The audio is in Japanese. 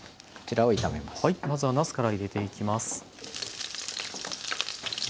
はいまずはなすから入れていきます。